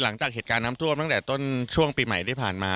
หลังจากเหตุการณ์น้ำท่วมตั้งแต่ต้นช่วงปีใหม่ที่ผ่านมา